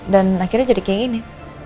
akhirnya jadi kayak gini